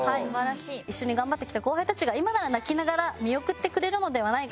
一緒に頑張ってきた後輩たちが今なら泣きながら見送ってくれるのではないか。